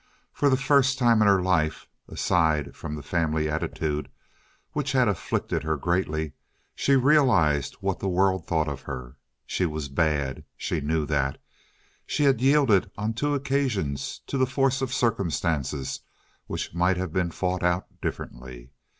For the first time in her life, aside from the family attitude, which had afflicted her greatly, she realized what the world thought of her. She was bad—she knew that. She had yielded on two occasions to the force of circumstances which might have been fought out differently.